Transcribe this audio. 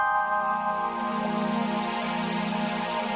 jangan sampai kamu lupa